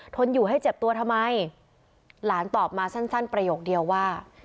นอยู่ให้เจ็บตัวทำไมหลานตอบมาสั้นประโยคเดียวว่า